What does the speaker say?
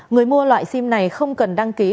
người mua loại sim này không cần đăng ký